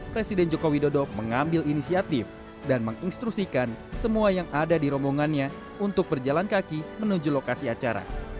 presiden jokowi dodo mengambil inisiatif dan menginstrusikan semua yang ada di rombongannya untuk berjalan kaki menuju lokasi acara